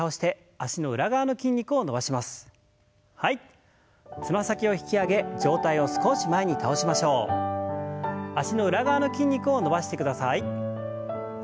脚の裏側の筋肉を伸ばしてください。